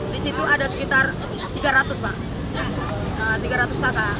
di situ ada sekitar tiga ratus pak tiga ratus kakak